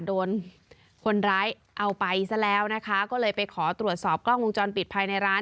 โดนคนร้ายเอาไปซะแล้วนะคะก็เลยไปขอตรวจสอบกล้องวงจรปิดภายในร้าน